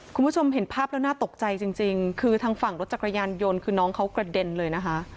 คุณผู้ชมเห็นภาพแล้วน่าตกใจจริงคือทางฝั่งรถจักรยานยนต์คือน้องเขากระเด็นเลยนะคะ